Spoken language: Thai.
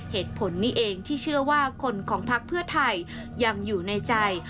เหตุผลนี้เองที่เชื่อว่าคนของพักเพื่อไทยยังอยู่ในใจ